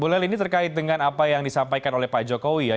baik ini terkait dengan apa yang disampaikan oleh pak jokowi